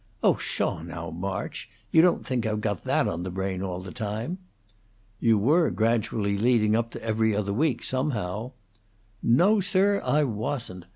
"Oh, pahaw, now, March! You don't think I've got that on the brain all the time?" "You were gradually leading up to 'Every Other Week', somehow." "No, sir; I wasn't.